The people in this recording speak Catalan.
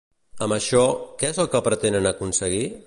Amb això, què és el que pretenen aconseguir?